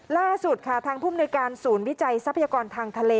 ล่าสุดค่ะทางภูมิในการศูนย์วิจัยทรัพยากรทางทะเล